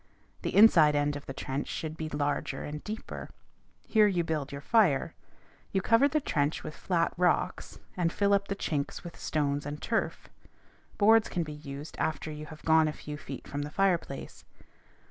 The inside end of the trench should be larger and deeper; here you build your fire. You cover the trench with flat rocks, and fill up the chinks with stones and turf; boards can be used after you have gone a few feet from the fireplace.